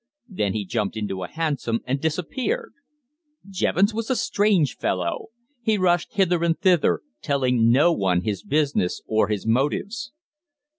Then he jumped into a hansom and disappeared. Jevons was a strange fellow. He rushed hither and thither, telling no one his business or his motives.